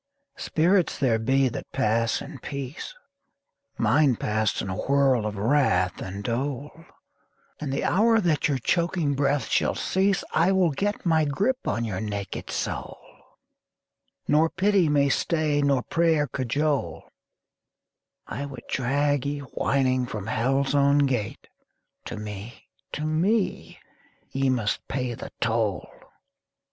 Spirits there be that pass in peace; Mine passed in a whorl of wrath and dole; And the hour that your choking breath shall cease I will get my grip on your naked soul Nor pity may stay nor prayer cajole I would drag ye whining from Hell's own gate: To me, to me, ye must pay the toll!